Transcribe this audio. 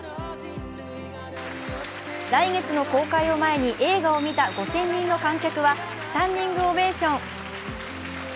来月の公開を前に映画を見た５０００人の観客はスタンディングオベーション。